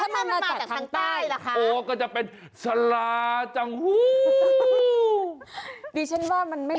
ตอนแรกมันจะได้สาระแล้ว